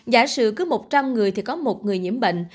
giả sử cứ một trăm linh người thì có một người nhiễm bệnh